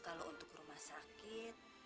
kalau untuk rumah sakit